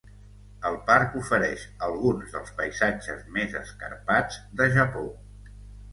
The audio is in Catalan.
El parc ofereix alguns dels paisatges més escarpats de Japó.